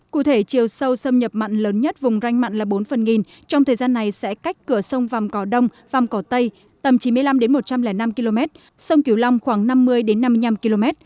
cụ thể chiều sâu sâm nhập mặn lớn nhất vùng ranh mặn là bốn phần nghìn trong thời gian này sẽ cách cửa sông văm cỏ đông văm cỏ tây tầm chín mươi năm đến một trăm linh năm km sông cửu long khoảng năm mươi đến năm mươi năm km